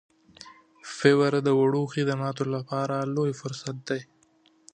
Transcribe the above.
فیور د وړو خدماتو لپاره لوی فرصت دی.